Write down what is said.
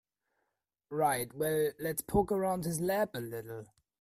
Right, well let's poke around his lab a little.